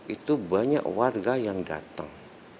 itu banyak warga yang datang